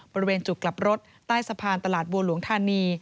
บริเวณจุดกลับรถใต้สะพานตลาดบัวหลวงธานี